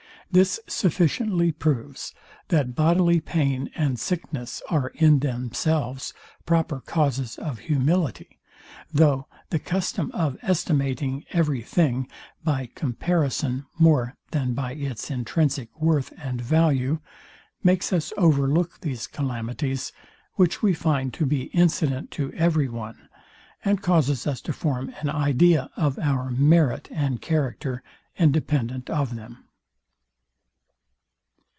This sufficiently proves that bodily pain and sickness are in themselves proper causes of humility; though the custom of estimating every thing by comparison more than by its intrinsic worth and value, makes us overlook these calamities, which we find to be incident to every one, and causes us to form an idea of our merit and character independent of them.